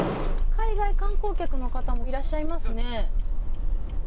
海外観光客の方もいらっしゃいますね。